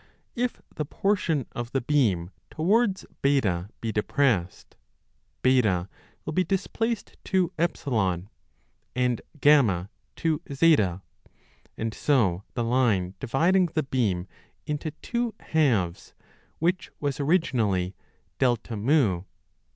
If the portion of the beam towards B be depressed, B will be displaced to E and T to Z ; and so the line dividing the 15 beam into two halves, which was originally AM, part of FIG.